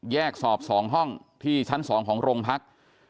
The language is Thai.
แยกสอบ๒ห้องที่ชั้น๒ของโรงพัก